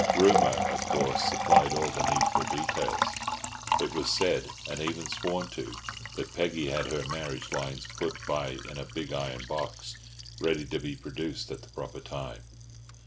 Rumour, of course, supplied all the needful details. It was said, and even sworn to, that Peggy had her marriage lines put by in a big iron box, ready to be produced at the proper time.